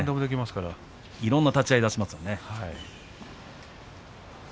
いろいろな立ち合いをしますよね。